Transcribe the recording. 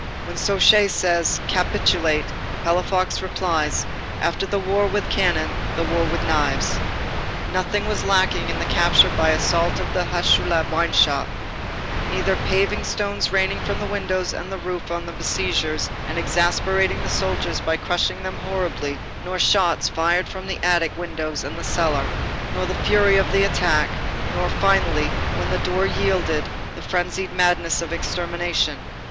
When Suchet says:—"Capitulate,"—Palafox replies: "After the war with cannon, the war with knives." Nothing was lacking in the capture by assault of the Hucheloup wine shop; neither paving stones raining from the windows and the roof on the besiegers and exasperating the soldiers by crushing them horribly, nor shots fired from the attic windows and the cellar, nor the fury of attack, nor, finally, when the door yielded, the frenzied madness of extermination.